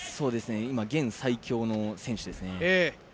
現在最強の選手ですね。